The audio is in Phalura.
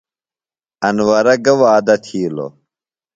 انورہ گہ وعدہ تِھیلوۡ؟